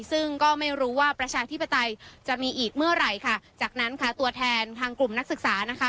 ซึ่งก็ไม่รู้ว่าประชาธิปไตยจะมีอีกเมื่อไหร่ค่ะจากนั้นค่ะตัวแทนทางกลุ่มนักศึกษานะคะ